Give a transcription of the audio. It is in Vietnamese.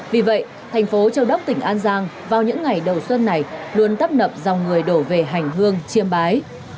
vì vậy thành phố châu đốc tỉnh an giang vào những ngày đầu xuân này luôn tấp nập dòng người đổ về hành hương chiêm bái